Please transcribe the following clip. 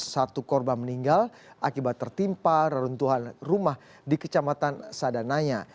satu korban meninggal akibat tertimpa reruntuhan rumah di kecamatan sadananya